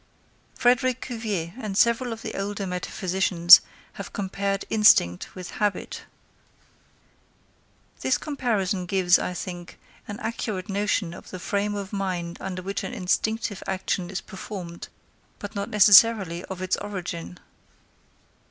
Frederick Cuvier and several of the older metaphysicians have compared instinct with habit. This comparison gives, I think, an accurate notion of the frame of mind under which an instinctive action is performed, but not necessarily of its origin.